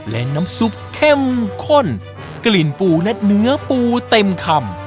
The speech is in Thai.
และน้ำซุปเข้มข้นกลิ่นปูและเนื้อปูเต็มคำ